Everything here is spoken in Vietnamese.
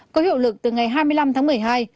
có hiệu lực từ ngày hai mươi năm tháng một mươi hai